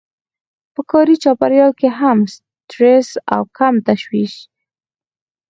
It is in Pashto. په کاري چاپېريال کې کم سټرس او کم تشويش.